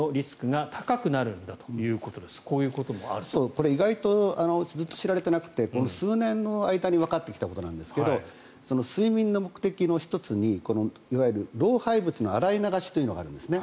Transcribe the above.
これ、意外とずっと知られてなくてこの数年の間にわかってきたことなんですけど睡眠の目的の１つにいわゆる老廃物の洗い流しというのがあるんです。